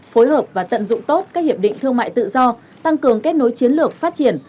phối hợp và tận dụng tốt các hiệp định thương mại tự do tăng cường kết nối chiến lược phát triển